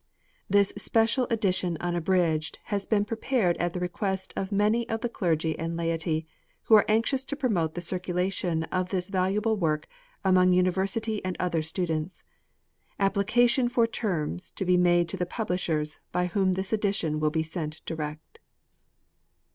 THIS special edition unabridged has been prepared at the request f of many of the clergy and laity, who are anxious to promote the f f circulation of this valuable work among university and other if students. Application for terms to be made to the publishers,! by whom this edition will be sent direct.